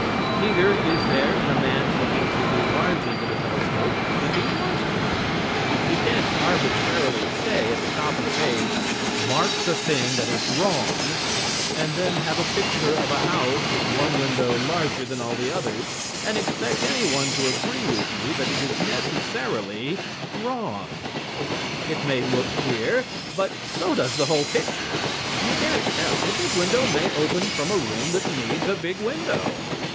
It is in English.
Neither is there in a man's looking through the large end of a telescope if he wants to. You can't arbitrarily say at the top of the page, "Mark the thing that is wrong," and then have a picture of a house with one window larger than all the others and expect any one to agree with you that it is necessarily wrong. It may look queer, but so does the whole picture. You can't tell; the big window may open from a room that needs a big window.